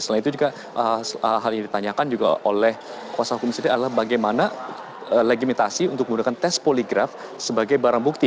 selain itu juga hal yang ditanyakan juga oleh kuasa hukum sendiri adalah bagaimana legimitasi untuk menggunakan tes poligraf sebagai barang bukti